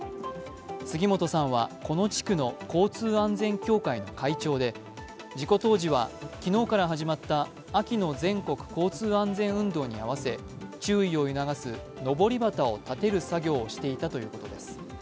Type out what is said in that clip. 杉本さんはこの地区の交通安全協会の会長で事故当時は昨日から始まった秋の全国交通安全運動に合わせ注意を促すのぼり旗を立てる作業をしていたということです。